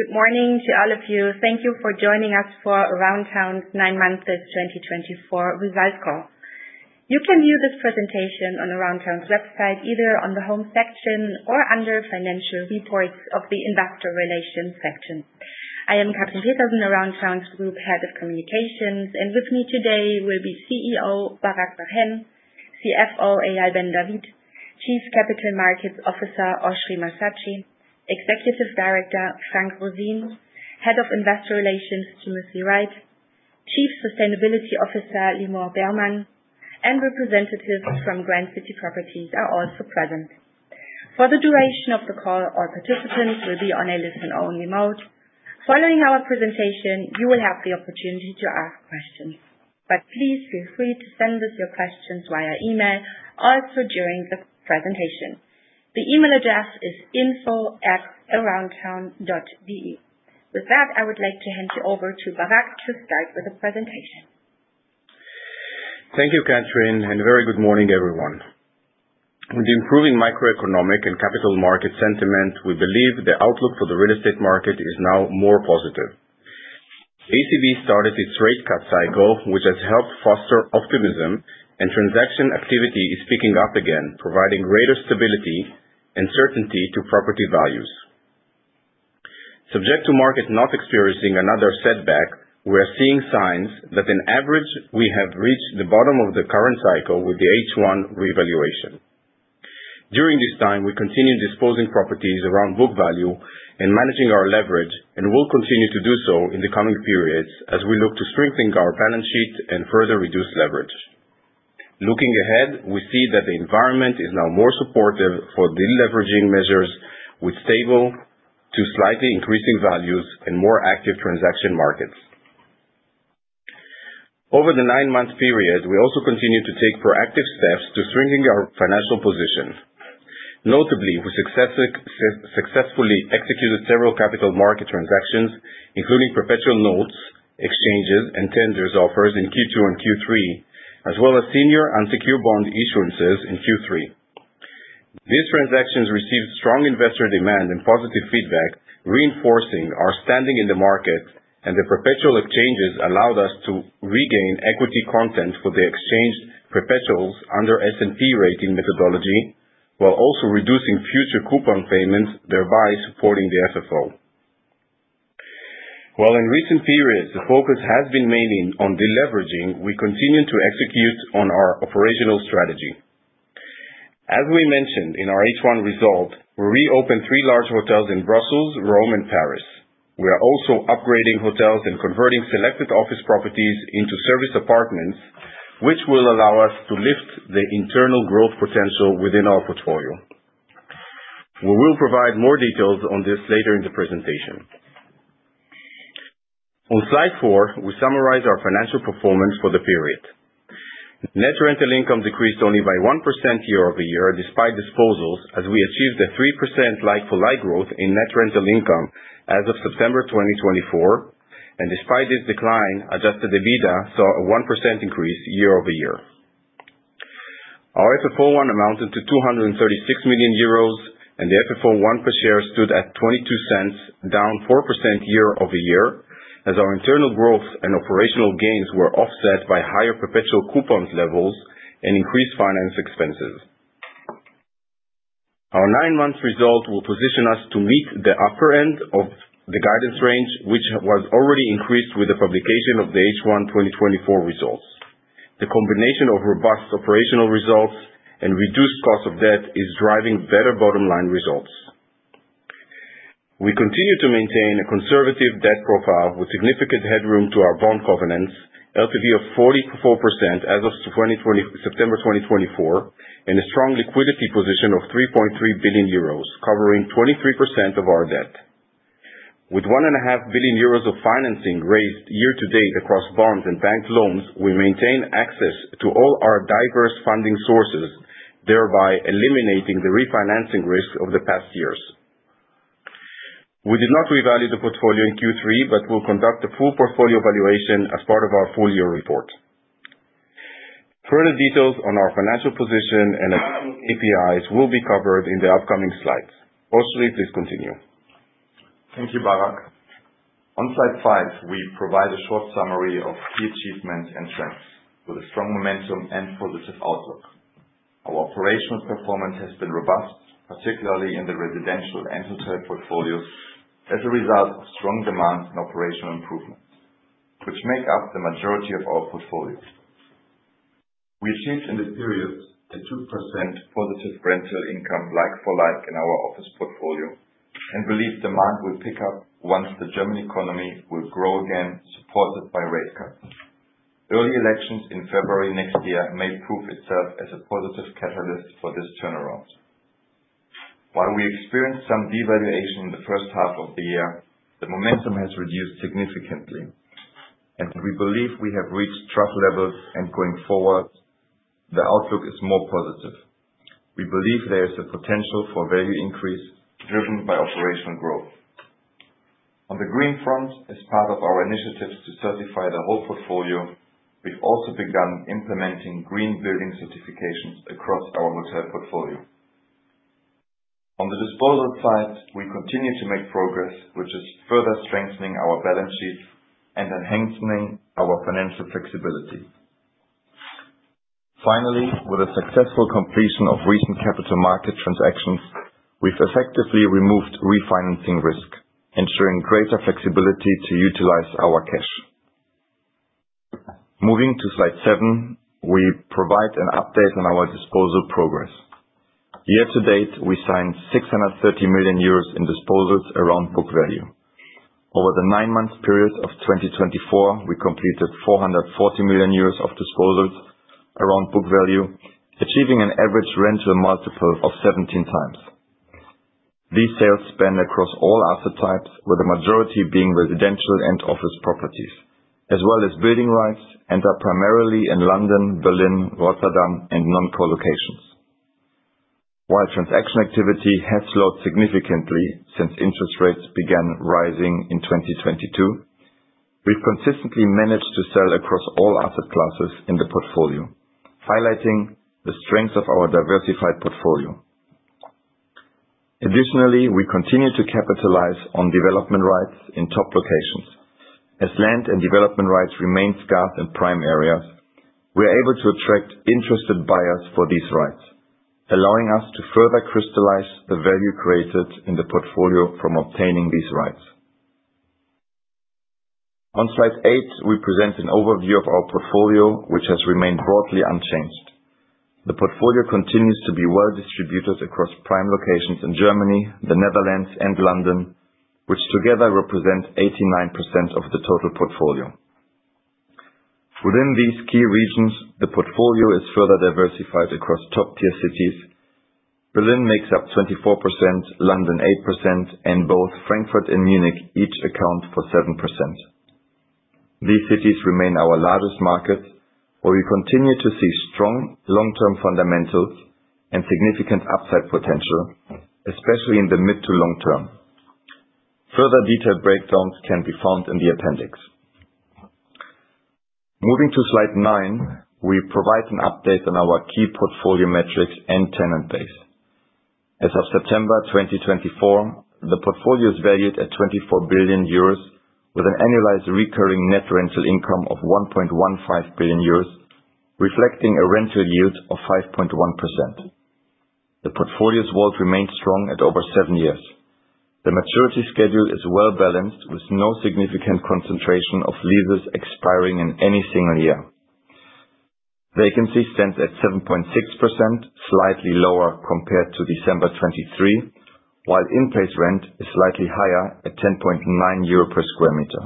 Good morning to all of you. Thank you for joining us for Aroundtown's nine months of 2024 results call. You can view this presentation on Aroundtown's website, either on the home section or under Financial Reports of the Investor Relations section. I am Katrin Petersen, Aroundtown Group, Head of Communications, and with me today will be CEO, Barak Bar-Hen, CFO, Eyal Ben David, Chief Capital Markets Officer, Oschrie Massatschi, Executive Director, Frank Roseen, Head of Investor Relations, Timothy Wright, Chief Sustainability Officer, Limor Birmann, and representatives from Grand City Properties are also present. For the duration of the call, all participants will be on a listen-only mode. Following our presentation, you will have the opportunity to ask questions, but please feel free to send us your questions via email, also during the presentation. The email address is info@aroundtown.de. With that, I would like to hand you over to Barak to start with the presentation. Thank you, Katrin, and a very good morning, everyone. With improving microeconomic and capital market sentiment, we believe the outlook for the real estate market is now more positive. ECB started its rate cut cycle, which has helped foster optimism, and transaction activity is picking up again, providing greater stability and certainty to property values. Subject to market not experiencing another setback, we are seeing signs that on average, we have reached the bottom of the current cycle with the H1 revaluation. During this time, we continued disposing properties around book value and managing our leverage, and will continue to do so in the coming periods as we look to strengthen our balance sheet and further reduce leverage. Looking ahead, we see that the environment is now more supportive for deleveraging measures, with stable to slightly increasing values and more active transaction markets. Over the nine-month period, we also continued to take proactive steps to strengthen our financial position. Notably, we successfully executed several capital market transactions, including perpetual notes, exchanges, and tender offers in Q2 and Q3, as well as senior unsecured bond issuances in Q3. These transactions received strong investor demand and positive feedback, reinforcing our standing in the market, and the perpetual exchanges allowed us to regain equity content for the exchanged perpetuals under S&P rating methodology, while also reducing future coupon payments, thereby supporting the FFO. While in recent periods the focus has been mainly on deleveraging, we continue to execute on our operational strategy. As we mentioned in our H1 results, we reopened three large hotels in Brussels, Rome, and Paris. We are also upgrading hotels and converting selected office properties into service apartments, which will allow us to lift the internal growth potential within our portfolio. We will provide more details on this later in the presentation. On slide four, we summarize our financial performance for the period. Net rental income decreased only by 1% year-over-year, despite disposals, as we achieved a 3% like-for-like growth in net rental income as of September 2024, and despite this decline, adjusted EBITDA saw a 1% increase year-over-year. Our FFO 1 amounted to 236 million euros, and the FFO 1 per share stood at 0.22, down 4% year-over-year, as our internal growth and operational gains were offset by higher perpetual coupons levels and increased finance expenses. Our nine-month result will position us to meet the upper end of the guidance range, which was already increased with the publication of the H1 2024 results. The combination of robust operational results and reduced cost of debt is driving better bottom-line results. We continue to maintain a conservative debt profile with significant headroom to our bond covenants, LTV of 44% as of September 2024, and a strong liquidity position of 3.3 billion euros, covering 23% of our debt. With 1.5 billion euros of financing raised year-to-date across bonds and bank loans, we maintain access to all our diverse funding sources, thereby eliminating the refinancing risk of the past years. We did not revalue the portfolio in Q3, but will conduct a full portfolio valuation as part of our full year report. Further details on our financial position and KPIs will be covered in the upcoming slides. Oschrie, please continue. Thank you, Barak. On slide 5, we provide a short summary of key achievements and strengths with a strong momentum and positive outlook. Our operational performance has been robust, particularly in the residential and hotel portfolios, as a result of strong demand and operational improvements, which make up the majority of our portfolios. We achieved in this period a 2% positive rental income like-for-like in our office portfolio, and believe demand will pick up once the German economy will grow again, supported by rate cuts. Early elections in February next year may prove itself as a positive catalyst for this turnaround. While we experienced some devaluation in the first half of the year, the momentum has reduced significantly, and we believe we have reached trough levels, and going forward, the outlook is more positive. We believe there is a potential for value increase driven by operational growth. On the green front, as part of our initiatives to certify the whole portfolio. We've also begun implementing green building certifications across our hotel portfolio. On the disposal side, we continue to make progress, which is further strengthening our balance sheet and enhancing our financial flexibility. Finally, with a successful completion of recent capital market transactions, we've effectively removed refinancing risk, ensuring greater flexibility to utilize our cash. Moving to slide seven, we provide an update on our disposal progress. Year to date, we signed 630 million euros in disposals around book value. Over the nine-month period of 2024, we completed 440 million euros of disposals around book value, achieving an average rental multiple of 17x. These sales span across all asset types, with the majority being residential and office properties, as well as building rights, and are primarily in London, Berlin, Rotterdam and non-core locations. While transaction activity has slowed significantly since interest rates began rising in 2022, we've consistently managed to sell across all asset classes in the portfolio, highlighting the strength of our diversified portfolio. Additionally, we continue to capitalize on development rights in top locations. As land and development rights remain scarce in prime areas, we are able to attract interested buyers for these rights, allowing us to further crystallize the value created in the portfolio from obtaining these rights. On slide 8, we present an overview of our portfolio, which has remained broadly unchanged. The portfolio continues to be well distributed across prime locations in Germany, the Netherlands and London, which together represent 89% of the total portfolio. Within these key regions, the portfolio is further diversified across top-tier cities. Berlin makes up 24%, London 8%, and both Frankfurt and Munich each account for 7%. These cities remain our largest market, where we continue to see strong long-term fundamentals and significant upside potential, especially in the mid to long term. Further detailed breakdowns can be found in the appendix. Moving to slide 9, we provide an update on our key portfolio metrics and tenant base. As of September 2024, the portfolio is valued at 24 billion euros, with an annualized recurring net rental income of 1.15 billion euros, reflecting a rental yield of 5.1%. The portfolio's vault remains strong at over 7 years. The maturity schedule is well balanced, with no significant concentration of leases expiring in any single year. Vacancy stands at 7.6%, slightly lower compared to December 2023, while in-place rent is slightly higher at 10.9 euro per square meter.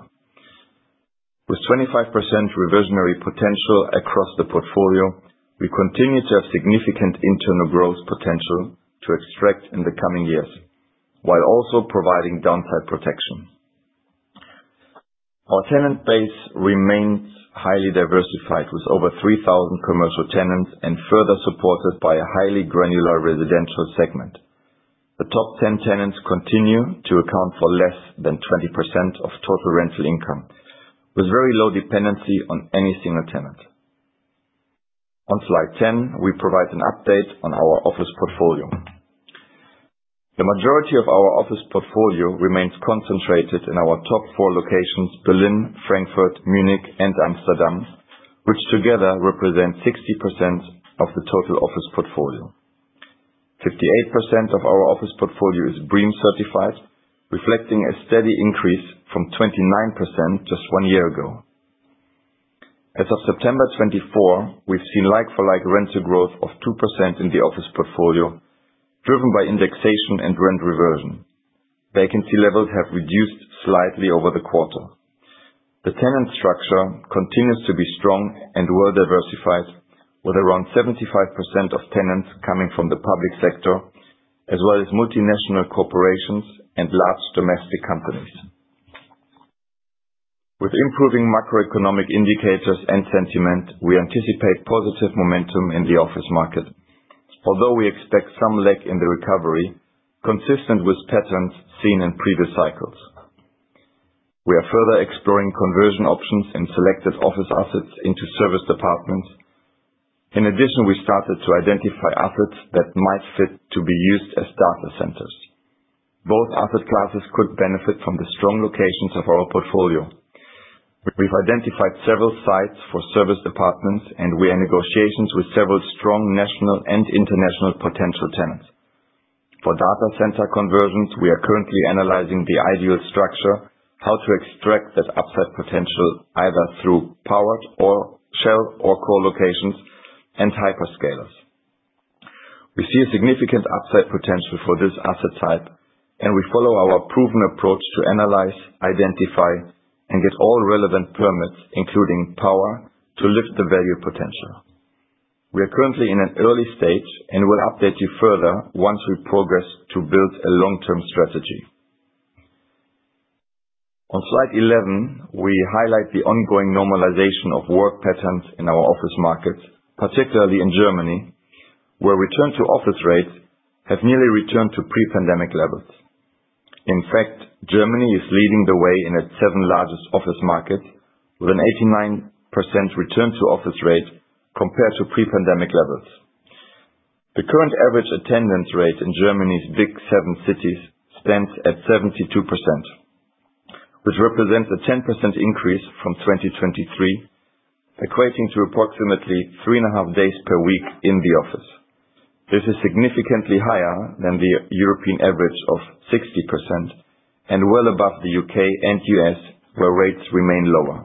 With 25% reversionary potential across the portfolio, we continue to have significant internal growth potential to extract in the coming years, while also providing downside protection. Our tenant base remains highly diversified, with over 3,000 commercial tenants and further supported by a highly granular residential segment. The top ten tenants continue to account for less than 20% of total rental income, with very low dependency on any single tenant. On slide 10, we provide an update on our office portfolio. The majority of our office portfolio remains concentrated in our top four locations, Berlin, Frankfurt, Munich and Amsterdam, which together represent 60% of the total office portfolio. 58% of our office portfolio is BREEAM certified, reflecting a steady increase from 29% just one year ago. As of September 2024, we've seen like-for-like rental growth of 2% in the office portfolio, driven by indexation and rent reversion. Vacancy levels have reduced slightly over the quarter. The tenant structure continues to be strong and well diversified, with around 75% of tenants coming from the public sector, as well as multinational corporations and large domestic companies. With improving macroeconomic indicators and sentiment, we anticipate positive momentum in the office market, although we expect some lag in the recovery, consistent with patterns seen in previous cycles. We are further exploring conversion options in selected office assets into serviced apartments. In addition, we started to identify assets that might fit to be used as data centers. Both asset classes could benefit from the strong locations of our portfolio. We've identified several sites for serviced apartments, and we are in negotiations with several strong national and international potential tenants. For data center conversions, we are currently analyzing the ideal structure, how to extract that upside potential, either through powered or shell or co-locations and hyperscalers. We see a significant upside potential for this asset type, and we follow our proven approach to analyze, identify, and get all relevant permits, including power, to lift the value potential. We are currently in an early stage and will update you further once we progress to build a long-term strategy. On slide 11, we highlight the ongoing normalization of work patterns in our office market, particularly in Germany, where return-to-office rates have nearly returned to pre-pandemic levels. In fact, Germany is leading the way in its 7 largest office markets, with an 89% return to office rate compared to pre-pandemic levels. The current average attendance rate in Germany's big seven cities stands at 72%, which represents a 10% increase from 2023, equating to approximately three and a half days per week in the office. This is significantly higher than the European average of 60%, and well above the U.K. and U.S., where rates remain lower.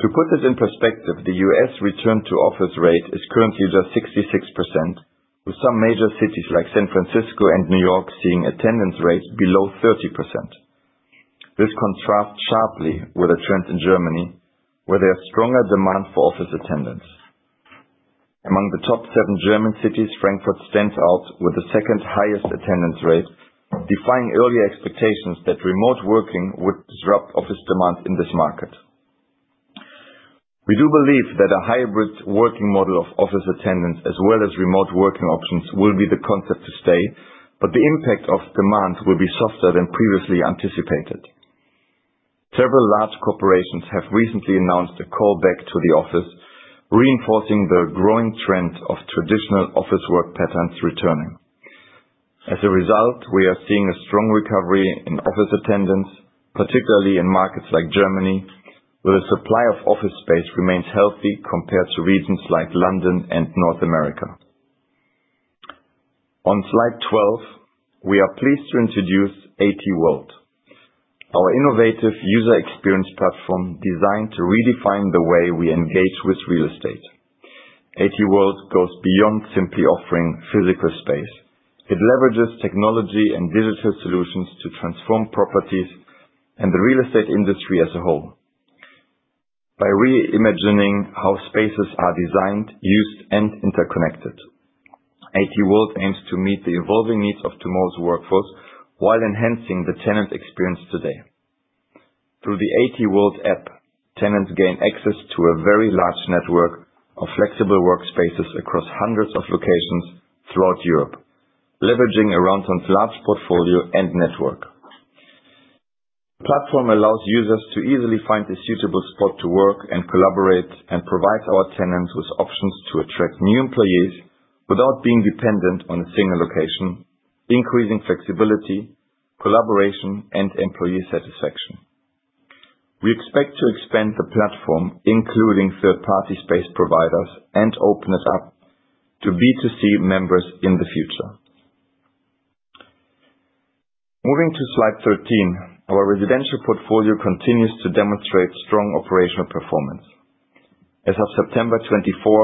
To put this in perspective, the U.S. return to office rate is currently just 66%, with some major cities like San Francisco and New York seeing attendance rates below 30%. This contrasts sharply with the trends in Germany, where there are stronger demand for office attendance. Among the top seven German cities, Frankfurt stands out with the second highest attendance rate, defying earlier expectations that remote working would disrupt office demand in this market. We do believe that a hybrid working model of office attendance, as well as remote working options, will be the concept to stay, but the impact of demand will be softer than previously anticipated. Several large corporations have recently announced a call back to the office, reinforcing the growing trend of traditional office work patterns returning. As a result, we are seeing a strong recovery in office attendance, particularly in markets like Germany, where the supply of office space remains healthy compared to regions like London and North America. On slide 12, we are pleased to introduce AT World, our innovative user experience platform designed to redefine the way we engage with real estate. AT World goes beyond simply offering physical space. It leverages technology and digital solutions to transform properties and the real estate industry as a whole. By reimagining how spaces are designed, used, and interconnected, AT World aims to meet the evolving needs of tomorrow's workforce while enhancing the tenant experience today. Through the AT World app, tenants gain access to a very large network of flexible workspaces across hundreds of locations throughout Europe, leveraging Aroundtown's large portfolio and network. The platform allows users to easily find a suitable spot to work and collaborate, and provides our tenants with options to attract new employees without being dependent on a single location, increasing flexibility, collaboration, and employee satisfaction. We expect to expand the platform, including third-party space providers, and open it up to B2C members in the future. Moving to slide 13, our residential portfolio continues to demonstrate strong operational performance. As of September 2024,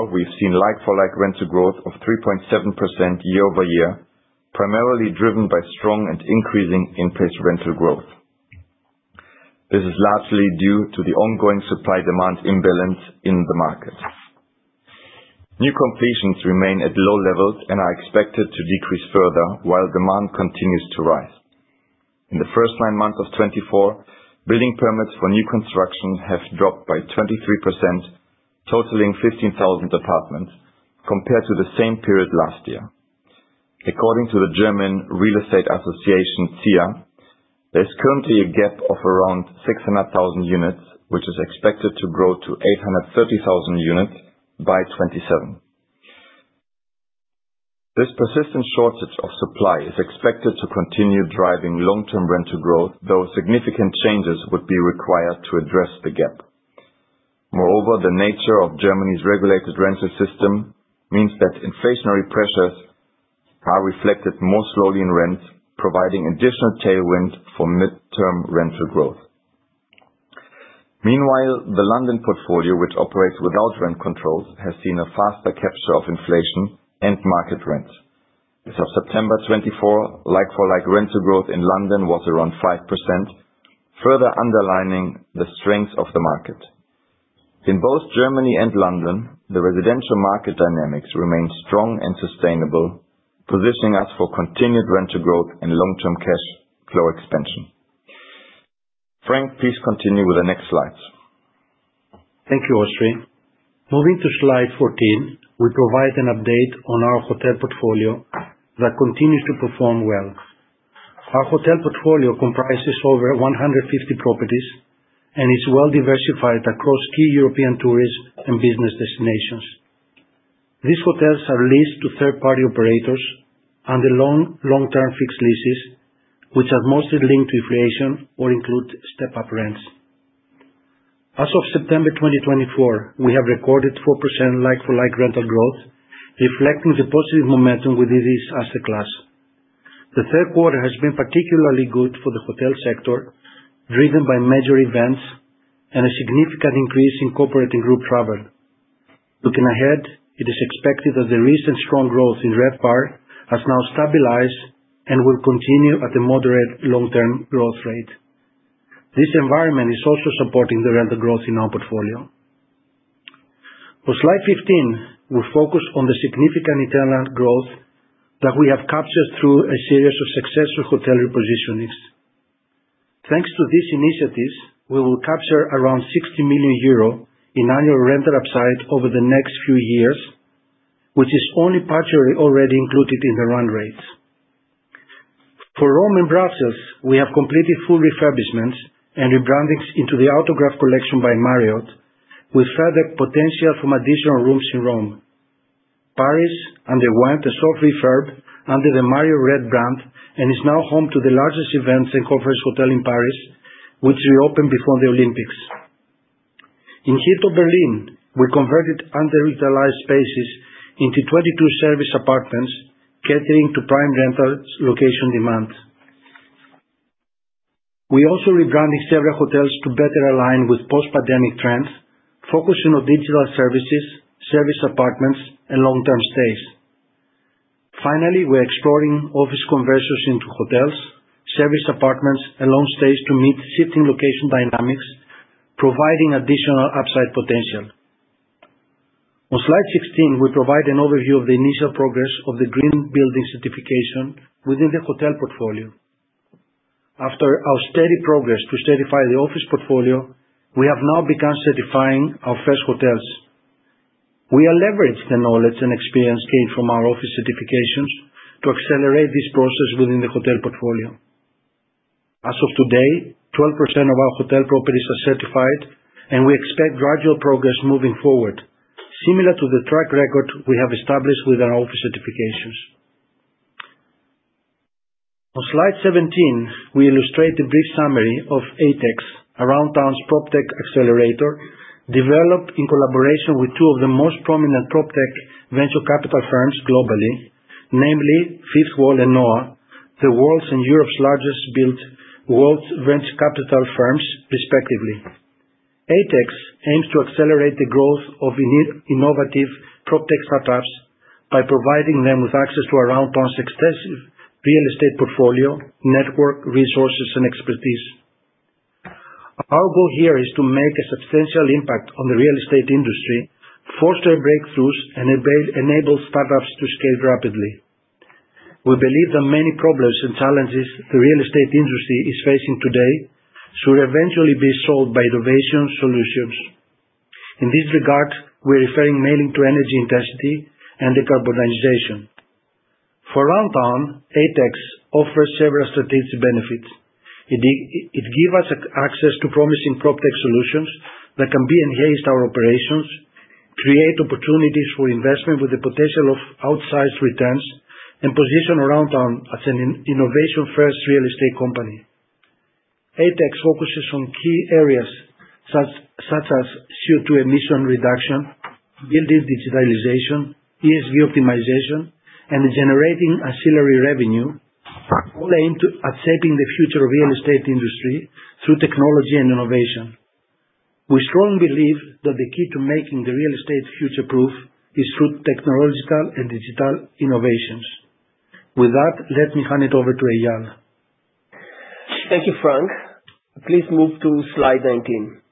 we've seen like-for-like rental growth of 3.7% year-over-year, primarily driven by strong and increasing in-place rental growth. This is largely due to the ongoing supply-demand imbalance in the market. New completions remain at low levels and are expected to decrease further, while demand continues to rise. In the first nine months of 2024, building permits for new construction have dropped by 23%, totaling 15,000 apartments, compared to the same period last year. According to the German Real Estate Association, ZIA, there's currently a gap of around 600,000 units, which is expected to grow to 830,000 units by 2027. This persistent shortage of supply is expected to continue driving long-term rental growth, though significant changes would be required to address the gap. Moreover, the nature of Germany's regulated rental system means that inflationary pressures are reflected more slowly in rents, providing additional tailwind for midterm rental growth. Meanwhile, the London portfolio, which operates without rent controls, has seen a faster capture of inflation and market rents. As of September 2024, like-for-like rental growth in London was around 5%, further underlining the strength of the market. In both Germany and London, the residential market dynamics remain strong and sustainable, positioning us for continued rental growth and long-term cash flow expansion. Frank, please continue with the next slides. Thank you, Oschrie. Moving to slide 14, we provide an update on our hotel portfolio that continues to perform well. Our hotel portfolio comprises over 150 properties, and is well diversified across key European tourist and business destinations. These hotels are leased to third-party operators under long, long-term fixed leases, which are mostly linked to inflation or include step-up rents. As of September 2024, we have recorded 4% like-for-like rental growth, reflecting the positive momentum within this asset class. The third quarter has been particularly good for the hotel sector, driven by major events and a significant increase in corporate and group travel. Looking ahead, it is expected that the recent strong growth in RevPAR has now stabilized, and will continue at a moderate long-term growth rate. This environment is also supporting the rental growth in our portfolio. On Slide 15, we focus on the significant internal growth that we have captured through a series of successful hotel repositionings. Thanks to these initiatives, we will capture around 60 million euro in annual rental upside over the next few years, which is only partially already included in the run rates. For Rome and Brussels, we have completed full refurbishments and rebrandings into the Autograph Collection by Marriott, with further potential from additional rooms in Rome. Paris underwent a soft refurb under the Marriott Rive brand, and is now home to the largest events and conference hotel in Paris, which reopened before the Olympics. In Hilton Berlin, we converted underutilized spaces into 22 serviced apartments, catering to prime rental location demand. We also rebranded several hotels to better align with post-pandemic trends, focusing on digital services, serviced apartments and long-term stays. Finally, we're exploring office conversions into hotels, service apartments and long stays to meet shifting location dynamics, providing additional upside potential. On slide 16, we provide an overview of the initial progress of the Green Building Certification within the hotel portfolio. After our steady progress to certify the office portfolio, we have now begun certifying our first hotels. We are leveraging the knowledge and experience gained from our office certifications to accelerate this process within the hotel portfolio. As of today, 12% of our hotel properties are certified, and we expect gradual progress moving forward, similar to the track record we have established with our office certifications. On slide 17, we illustrate a brief summary of ATEX, Aroundtown's PropTech accelerator, developed in collaboration with two of the most prominent PropTech venture capital firms globally, namely Fifth Wall and Noa, the world's and Europe's largest built world's venture capital firms, respectively. ATEX aims to accelerate the growth of innovative PropTech startups by providing them with access to Aroundtown's extensive real estate portfolio, network, resources, and expertise. Our goal here is to make a substantial impact on the real estate industry, foster breakthroughs and enable startups to scale rapidly. We believe that many problems and challenges the real estate industry is facing today, should eventually be solved by innovation solutions. In this regard, we are referring mainly to energy intensity and decarbonization. For Aroundtown, ATEX offers several strategic benefits. It gives us access to promising PropTech solutions that can enhance our operations, create opportunities for investment with the potential of outsized returns, and position Aroundtown as an innovation-first real estate company. ATEX focuses on key areas such as CO2 emission reduction, building digitalization, ESG optimization, and generating ancillary revenue, all aimed at shaping the future of real estate industry through technology and innovation. We strongly believe that the key to making the real estate future-proof is through technological and digital innovations. With that, let me hand it over to Eyal. Thank you, Frank. Please move to slide 19.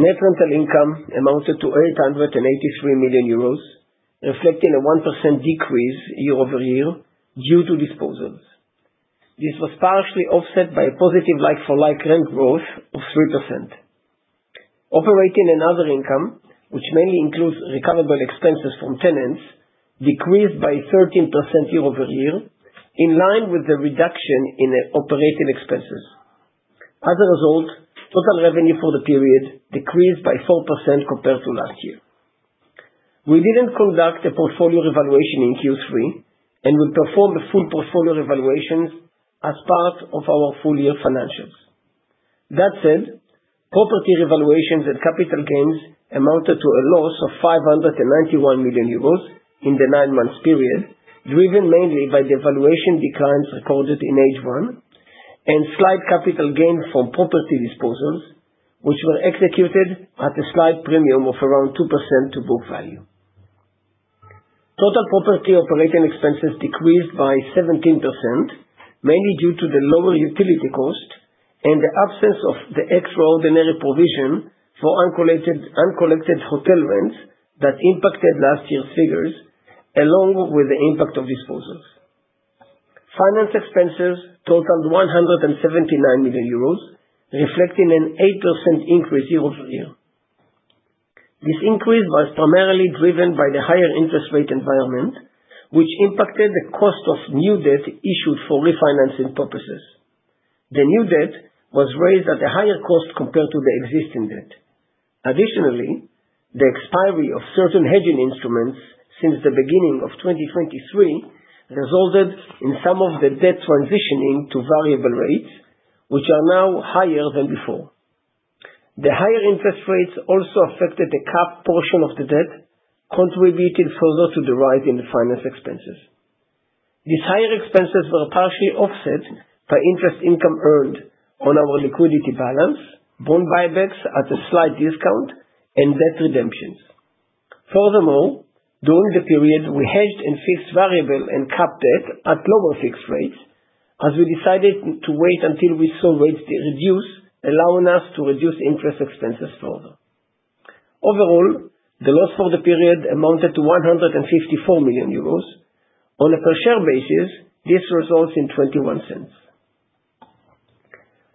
Net rental income amounted to 883 million euros, reflecting a 1% decrease year-over-year due to disposals. This was partially offset by a positive like for like rent growth of 3%. Operating and other income, which mainly includes recoverable expenses from tenants, decreased by 13% year-over-year, in line with the reduction in operating expenses. As a result, total revenue for the period decreased by 4% compared to last year. We didn't conduct a portfolio revaluation in Q3, and we performed a full portfolio revaluations as part of our full year financials. That said, property revaluations and capital gains amounted to a loss of 591 million euros in the nine-month period, driven mainly by the valuation declines recorded in H1, and slight capital gains from property disposals, which were executed at a slight premium of around 2% to book value. Total property operating expenses decreased by 17%, mainly due to the lower utility cost and the absence of the extraordinary provision for uncollected hotel rents that impacted last year's figures, along with the impact of disposals. Finance expenses totaled 179 million euros, reflecting an 8% increase year-over-year. This increase was primarily driven by the higher interest rate environment, which impacted the cost of new debt issued for refinancing purposes. The new debt was raised at a higher cost compared to the existing debt. Additionally, the expiry of certain hedging instruments since the beginning of 2023 resulted in some of the debt transitioning to variable rates, which are now higher than before. The higher interest rates also affected the cap portion of the debt, contributing further to the rise in the finance expenses. These higher expenses were partially offset by interest income earned on our liquidity balance, bond buybacks at a slight discount, and debt redemptions. Furthermore, during the period, we hedged and fixed variable and cap debt at lower fixed rates, as we decided to wait until we saw rates reduce, allowing us to reduce interest expenses further.... Overall, the loss for the period amounted to 154 million euros. On a per-share basis, this results in 0.21.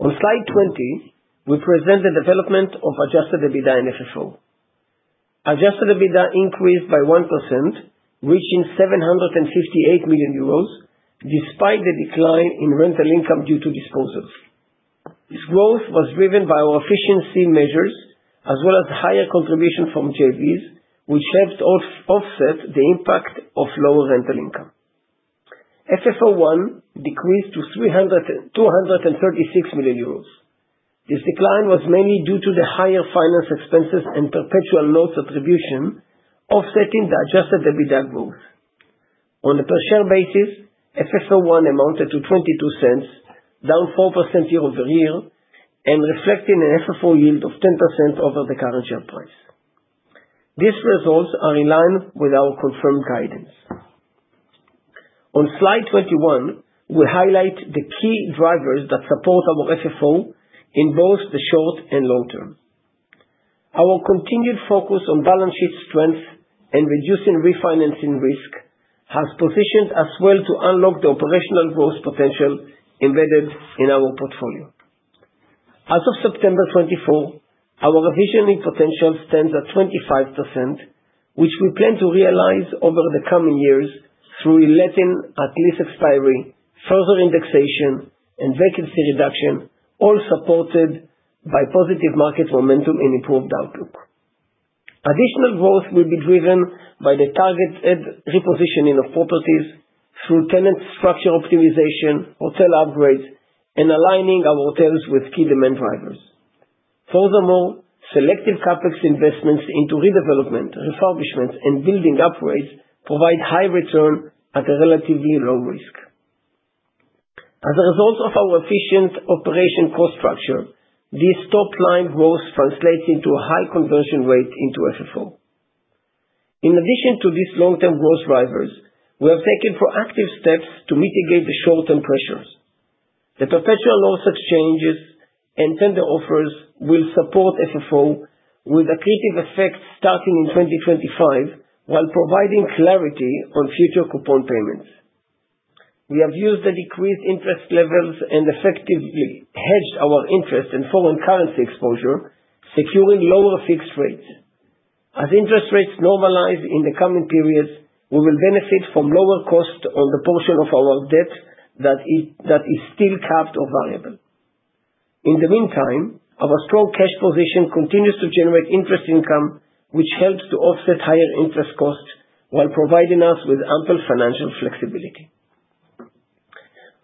On slide 20, we present the development of Adjusted EBITDA and FFO. Adjusted EBITDA increased by 1%, reaching 758 million euros, despite the decline in rental income due to disposals. This growth was driven by our efficiency measures, as well as higher contribution from JVs, which helped offset the impact of lower rental income. FFO one decreased to 302 million euros. This decline was mainly due to the higher finance expenses and perpetual notes attribution, offsetting the adjusted EBITDA growth. On a per share basis, FFO one amounted to 0.22, down 4% year-over-year, and reflecting an FFO yield of 10% over the current share price. These results are in line with our confirmed guidance. On slide 21, we highlight the key drivers that support our FFO in both the short and long term. Our continued focus on balance sheet strength and reducing refinancing risk, has positioned us well to unlock the operational growth potential embedded in our portfolio. As of September 2024, our reversionary potential stands at 25%, which we plan to realize over the coming years through letting at lease expiry, further indexation, and vacancy reduction, all supported by positive market momentum and improved outlook. Additional growth will be driven by the targeted repositioning of properties through tenant structure optimization, hotel upgrades, and aligning our hotels with key demand drivers. Furthermore, selective CapEx investments into redevelopment, refurbishment, and building upgrades provide high return at a relatively low risk. As a result of our efficient operation cost structure, this top line growth translates into a high conversion rate into FFO. In addition to these long-term growth drivers, we have taken proactive steps to mitigate the short-term pressures. The perpetual notes exchanges and tender offers will support FFO with accretive effects starting in 2025, while providing clarity on future coupon payments. We have used the decreased interest levels and effectively hedged our interest in foreign currency exposure, securing lower fixed rates. As interest rates normalize in the coming periods, we will benefit from lower cost on the portion of our debt that is still capped or variable. In the meantime, our strong cash position continues to generate interest income, which helps to offset higher interest costs while providing us with ample financial flexibility.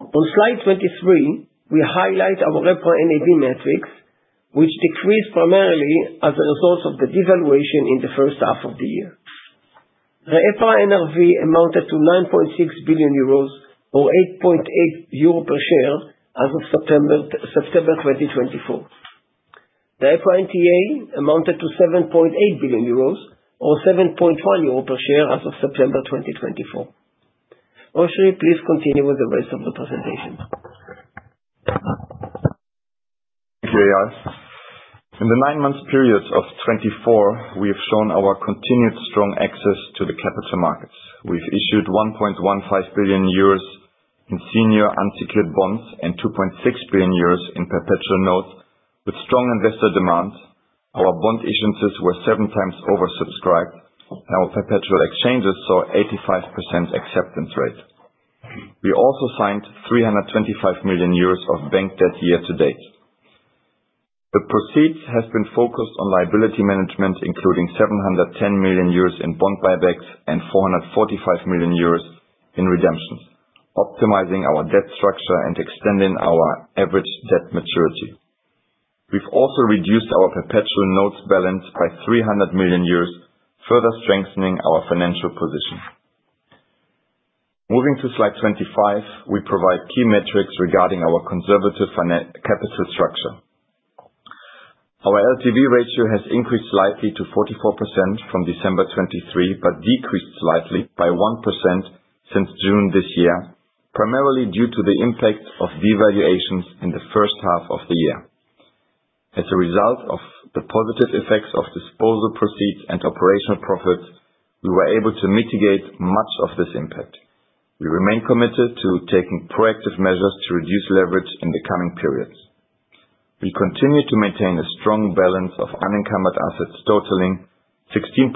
On slide 23, we highlight our EPRA NAV metrics, which decreased primarily as a result of the devaluation in the first half of the year. The EPRA NAV amounted to 9.6 billion euros, or 8.8 per share as of September 2024. The EPRA NTA amounted to 7.8 billion euros, or 7.1 per share as of September 2024. Oschrie, please continue with the rest of the presentation. Thank you, Eyal. In the nine-month periods of 2024, we have shown our continued strong access to the capital markets. We've issued 1.15 billion euros in senior unsecured bonds and 2.6 billion euros in perpetual notes. With strong investor demands, our bond issuances were 7 times oversubscribed, and our perpetual exchanges saw 85% acceptance rate. We also signed 325 million euros of bank debt year to date. The proceeds has been focused on liability management, including 710 million euros in bond buybacks and 445 million euros in redemptions, optimizing our debt structure and extending our average debt maturity. We've also reduced our perpetual notes balance by 300 million euros, further strengthening our financial position. Moving to slide 25, we provide key metrics regarding our conservative financial capital structure. Our LTV ratio has increased slightly to 44% from December 2023, but decreased slightly by 1% since June this year, primarily due to the impact of devaluations in the first half of the year. As a result of the positive effects of disposal proceeds and operational profits, we were able to mitigate much of this impact. We remain committed to taking proactive measures to reduce leverage in the coming periods. We continue to maintain a strong balance of unencumbered assets, totaling 16.9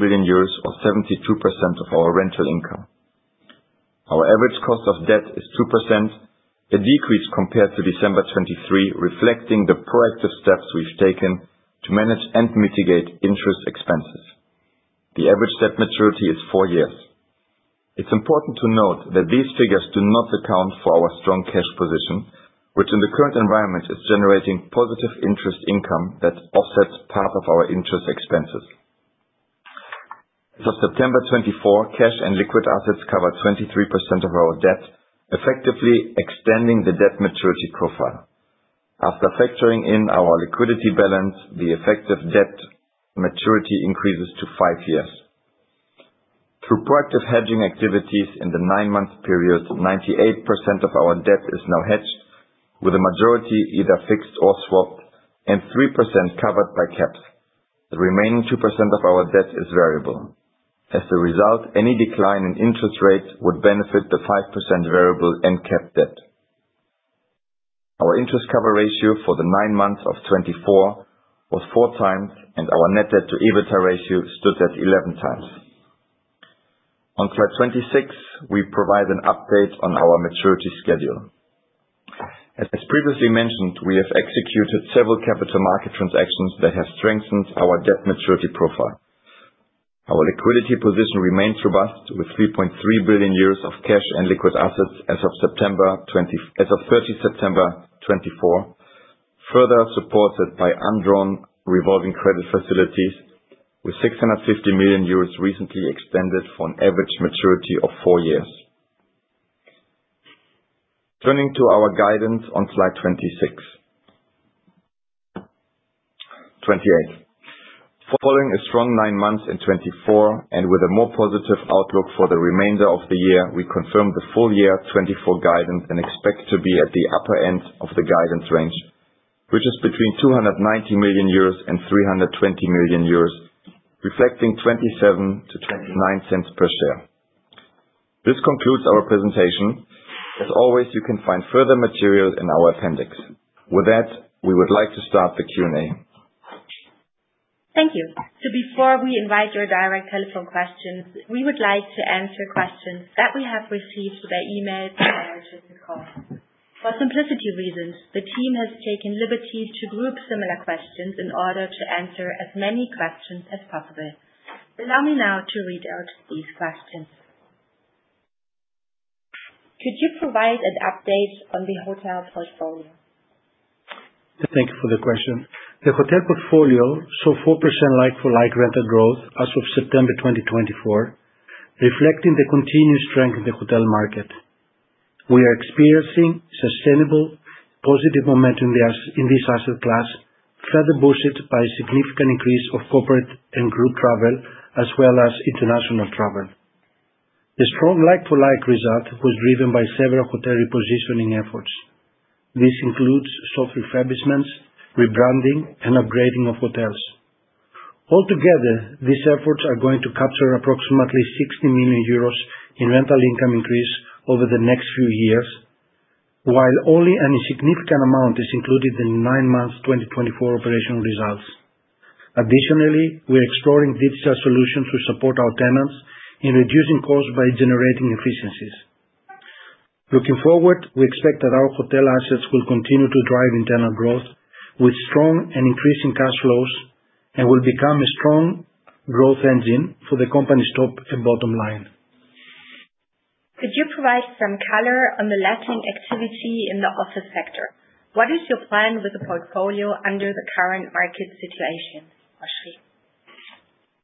billion euros, or 72% of our rental income. Our average cost of debt is 2%, a decrease compared to December 2023, reflecting the proactive steps we've taken to manage and mitigate interest expenses. The average debt maturity is four years. It's important to note that these figures do not account for our strong cash position, which, in the current environment, is generating positive interest income that offsets part of our interest expenses. As of September 2024, cash and liquid assets cover 23% of our debt, effectively extending the debt maturity profile. After factoring in our liquidity balance, the effective debt maturity increases to 5 years.... Through proactive hedging activities in the 9-month period, 98% of our debt is now hedged, with the majority either fixed or swapped, and 3% covered by caps. The remaining 2% of our debt is variable. As a result, any decline in interest rates would benefit the 5% variable and capped debt. Our interest cover ratio for the nine months of 2024 was 4x, and our net debt to EBITDA ratio stood at 11x. On slide 26, we provide an update on our maturity schedule. As previously mentioned, we have executed several capital market transactions that have strengthened our debt maturity profile. Our liquidity position remains robust, with 3.3 billion euros of cash and liquid assets as of 30 September 2024, further supported by undrawn revolving credit facilities, with 650 million euros recently extended for an average maturity of four years. Turning to our guidance on slide 26. 28. Following a strong nine months in 2024, and with a more positive outlook for the remainder of the year, we confirm the full year 2024 guidance and expect to be at the upper end of the guidance range, which is between 290 million euros and 320 million euros, reflecting 0.27-0.29 per share. This concludes our presentation. As always, you can find further materials in our appendix. With that, we would like to start the Q&A. Thank you. So before we invite your direct telephone questions, we would like to answer questions that we have received by email or during the call. For simplicity reasons, the team has taken liberties to group similar questions in order to answer as many questions as possible. Allow me now to read out these questions. Could you provide an update on the hotel portfolio? Thank you for the question. The hotel portfolio saw 4% like-for-like rental growth as of September 2024, reflecting the continued strength in the hotel market. We are experiencing sustainable positive momentum in the in this asset class, further boosted by a significant increase of corporate and group travel, as well as international travel. The strong like-for-like result was driven by several hotel repositioning efforts. This includes soft refurbishments, rebranding, and upgrading of hotels. Altogether, these efforts are going to capture approximately 60 million euros in rental income increase over the next few years, while only an insignificant amount is included in the nine months 2024 operational results. Additionally, we are exploring digital solutions to support our tenants in reducing costs by generating efficiencies. Looking forward, we expect that our hotel assets will continue to drive internal growth with strong and increasing cash flows, and will become a strong growth engine for the company's top and bottom line. Could you provide some color on the letting activity in the office sector? What is your plan with the portfolio under the current market situation? Oschrie.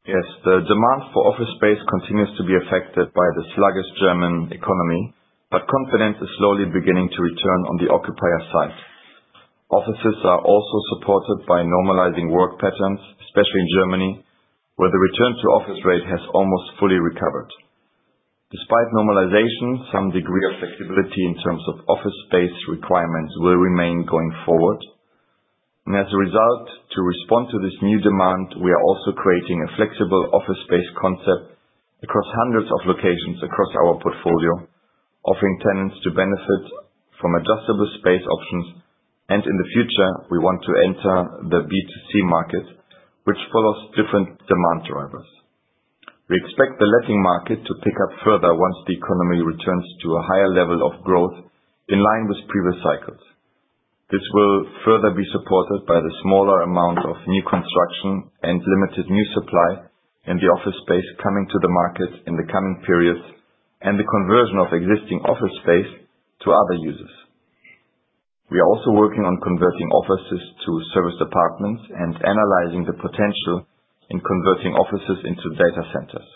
Yes. The demand for office space continues to be affected by the sluggish German economy, but confidence is slowly beginning to return on the occupier side. Offices are also supported by normalizing work patterns, especially in Germany, where the return to office rate has almost fully recovered. Despite normalization, some degree of flexibility in terms of office space requirements will remain going forward, and as a result, to respond to this new demand, we are also creating a flexible office space concept across hundreds of locations across our portfolio. Offering tenants to benefit from adjustable space options, and in the future, we want to enter the B2C market, which follows different demand drivers. We expect the letting market to pick up further once the economy returns to a higher level of growth in line with previous cycles. This will further be supported by the smaller amount of new construction and limited new supply in the office space coming to the market in the coming periods, and the conversion of existing office space to other uses. We are also working on converting offices to serviced apartments and analyzing the potential in converting offices into data centers.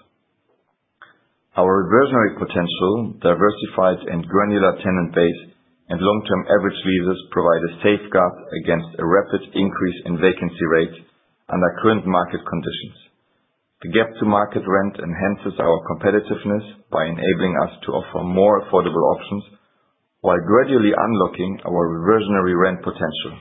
Our reversionary potential, diversified and granular tenant base, and long-term average leases provide a safeguard against a rapid increase in vacancy rates under current market conditions. The gap to market rent enhances our competitiveness by enabling us to offer more affordable options while gradually unlocking our reversionary rent potential.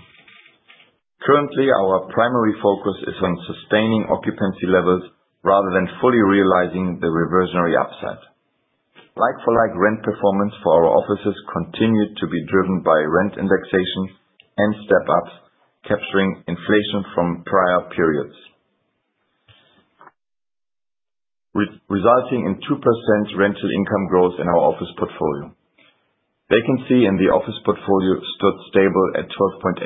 Currently, our primary focus is on sustaining occupancy levels rather than fully realizing the reversionary upside. Like-for-like rent performance for our offices continued to be driven by rent indexation and step-ups, capturing inflation from prior periods, resulting in 2% rental income growth in our office portfolio. Vacancy in the office portfolio stood stable at 12.8%.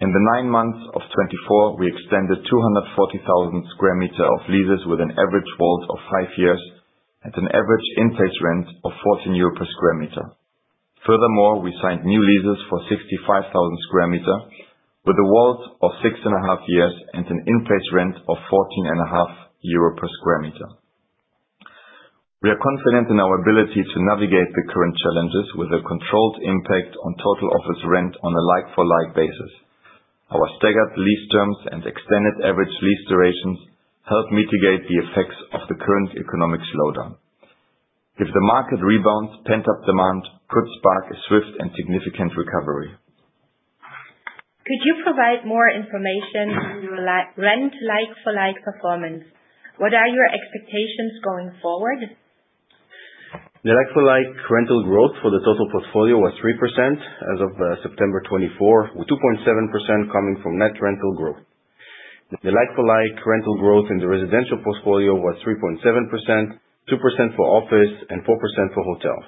In the nine months of 2024, we extended 240,000 sq m of leases with an average WALT of 5 years at an average in-place rent of 14 euros per sq m. Furthermore, we signed new leases for 65,000 sq m, with a WALT of 6.5 years and an in-place rent of 14.5 euro per sq m. We are confident in our ability to navigate the current challenges with a controlled impact on total office rent on a like-for-like basis. Our staggered lease terms and extended average lease durations help mitigate the effects of the current economic slowdown. If the market rebounds, pent-up demand could spark a swift and significant recovery. Could you provide more information on your like-for-like performance? What are your expectations going forward? The like-for-like rental growth for the total portfolio was 3% as of September 2024, with 2.7% coming from net rental growth. The like-for-like rental growth in the residential portfolio was 3.7%, 2% for office, and 4% for hotel.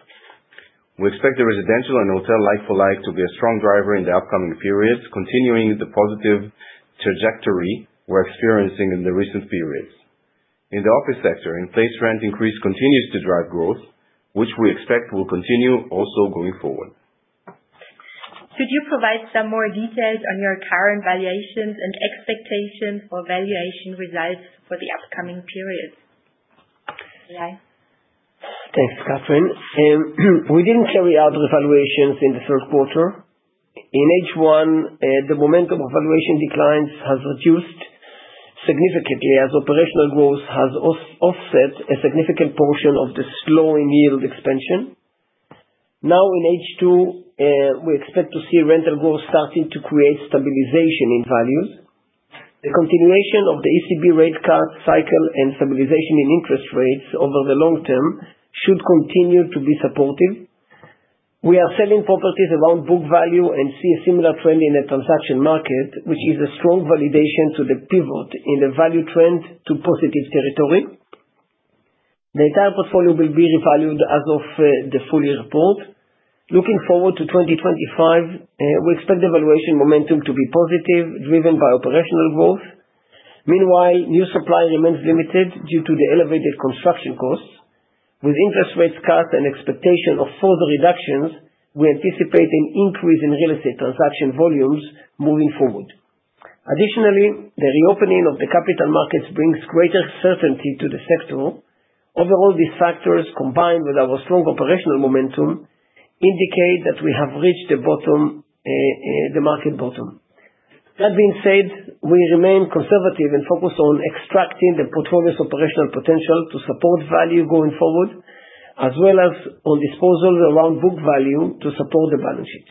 We expect the residential and hotel like-for-like to be a strong driver in the upcoming periods, continuing the positive trajectory we're experiencing in the recent periods. In the office sector, in-place rent increase continues to drive growth, which we expect will continue also going forward. Could you provide some more details on your current valuations and expectations for valuation results for the upcoming periods? Eyal? Thanks, Katrin. We didn't carry out revaluations in the first quarter. In H1, the momentum of valuation declines has reduced significantly as operational growth has offset a significant portion of the slow in yield expansion. Now, in H2, we expect to see rental growth starting to create stabilization in values. The continuation of the ECB rate cut cycle and stabilization in interest rates over the long term should continue to be supportive. We are selling properties around book value and see a similar trend in the transaction market, which is a strong validation to the pivot in the value trend to positive territory. The entire portfolio will be revalued as of the full year report. Looking forward to 2025, we expect the valuation momentum to be positive, driven by operational growth. Meanwhile, new supply remains limited due to the elevated construction costs. With interest rates cut and expectation of further reductions, we anticipate an increase in real estate transaction volumes moving forward. Additionally, the reopening of the capital markets brings greater certainty to the sector. Overall, these factors, combined with our strong operational momentum, indicate that we have reached the bottom, the market bottom. That being said, we remain conservative and focused on extracting the portfolio's operational potential to support value going forward, as well as on disposals around book value to support the balance sheet.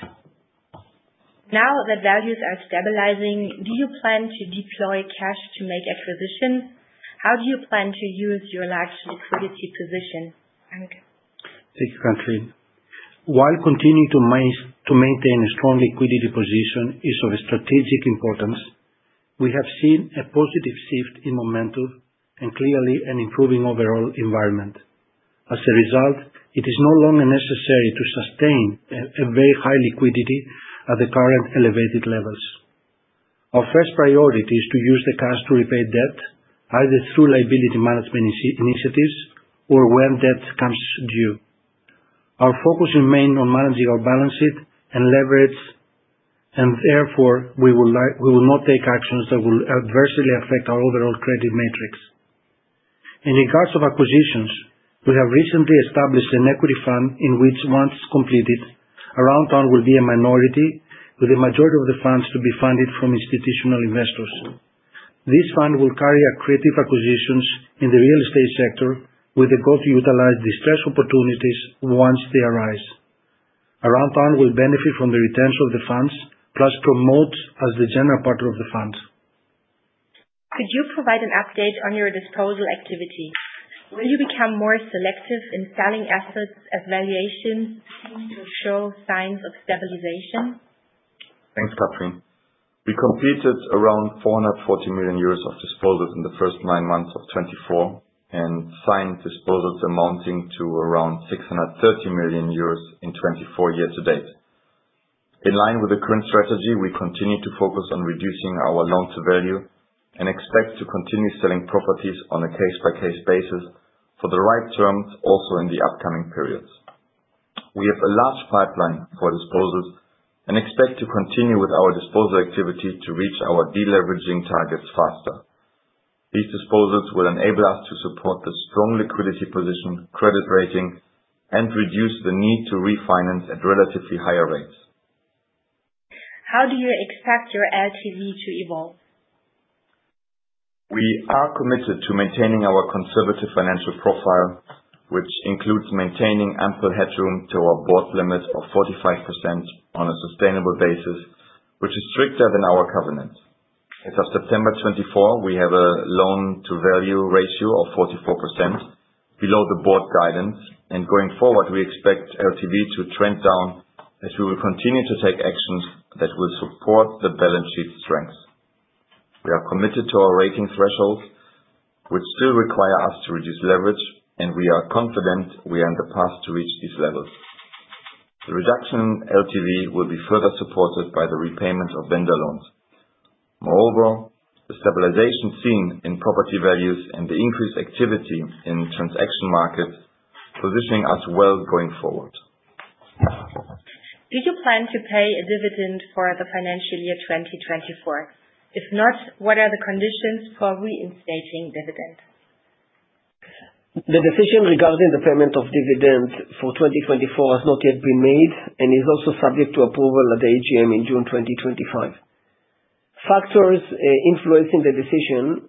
Now that values are stabilizing, do you plan to deploy cash to make acquisitions? How do you plan to use your large liquidity position? Thank you. Thanks, Katrin. While continuing to maintain a strong liquidity position is of strategic importance, we have seen a positive shift in momentum and clearly an improving overall environment. As a result, it is no longer necessary to sustain a very high liquidity at the current elevated levels. Our first priority is to use the cash to repay debt, either through liability management initiatives or when debt comes due. Our focus remain on managing our balance sheet and leverage, and therefore we will like, we will not take actions that will adversely affect our overall credit metrics. In regards of acquisitions, we have recently established an equity fund in which, once completed, Aroundtown will be a minority, with the majority of the funds to be funded from institutional investors. This fund will carry accretive acquisitions in the real estate sector, with the goal to utilize distress opportunities once they arise. Aroundtown will benefit from the returns of the funds, plus promote as the general partner of the fund. Could you provide an update on your disposal activity? Will you become more selective in selling assets as valuations seem to show signs of stabilization? Thanks, Katrin. We completed around 440 million euros of disposals in the first nine months of 2024, and signed disposals amounting to around 630 million euros in 2024 year to date. In line with the current strategy, we continue to focus on reducing our loan-to-value, and expect to continue selling properties on a case-by-case basis for the right terms also in the upcoming periods. We have a large pipeline for disposals and expect to continue with our disposal activity to reach our deleveraging targets faster. These disposals will enable us to support the strong liquidity position, credit rating, and reduce the need to refinance at relatively higher rates. How do you expect your LTV to evolve? We are committed to maintaining our conservative financial profile, which includes maintaining ample headroom to our board limit of 45% on a sustainable basis, which is stricter than our covenant. As of September 2024, we have a loan-to-value ratio of 44%, below the board guidance. Going forward, we expect LTV to trend down, as we will continue to take actions that will support the balance sheet strength. We are committed to our rating threshold, which still require us to reduce leverage, and we are confident we are on the path to reach these levels. The reduction in LTV will be further supported by the repayment of vendor loans. Moreover, the stabilization seen in property values and the increased activity in transaction markets, positioning us well going forward.... Do you plan to pay a dividend for the financial year 2024? If not, what are the conditions for reinstating dividend? The decision regarding the payment of dividends for 2024 has not yet been made, and is also subject to approval at the AGM in June 2025. Factors influencing the decision